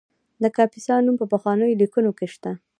د کاپیسا نوم په پخوانیو لیکنو کې شته